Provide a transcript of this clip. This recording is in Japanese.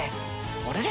あれ？